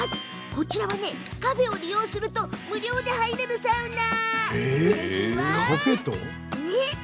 こちらはカフェを利用すると無料で入れるサウナ。